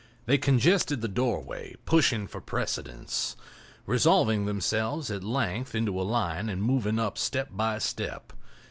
They congested the doorway, pushing for precedence—resolving themselves at length into a line and moving up step by step.